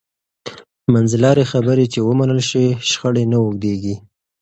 منځلارې خبرې چې ومنل شي، شخړې نه اوږدېږي.